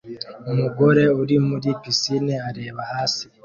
Umugore uri muri pisine areba hasi